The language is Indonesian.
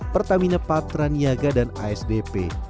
pertamina patraniaga dan asdp